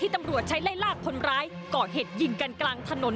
ตำรวจใช้ไล่ลากคนร้ายก่อเหตุยิงกันกลางถนน